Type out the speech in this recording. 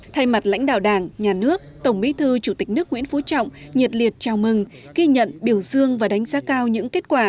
thay mặt lãnh đạo đảng nhà nước tổng bí thư chủ tịch nước nguyễn phú trọng nhiệt liệt chào mừng